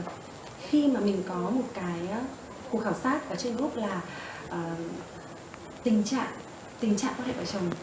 khi mà mình có một cái khu khảo sát ở trên group là tình trạng tình trạng có thể bỏ chồng